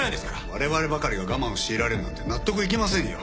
われわればかりが我慢を強いられるなんて納得いきませんよ。